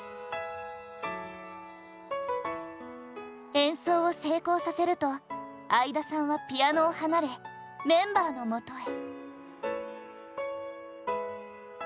演奏を成功させると田さんはピアノを離れメンバーのもとへ。